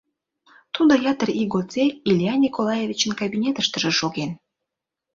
Тудо ятыр ий годсек Илья Николаевичын кабинетыштыже шоген.